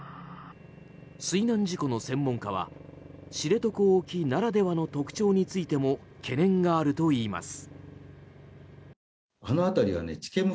水難事故の専門家は知床沖ならではの特徴についても懸念があるといいます。